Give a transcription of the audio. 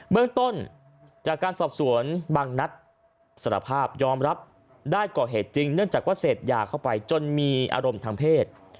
เมืองต้นจากการสอบสวนบางนัดสารภาพยอมรับได้ก่อเหตุจริงเนื่องจากว่าเสพยาเข้าไปจนมีอารมณ์ทางเพศ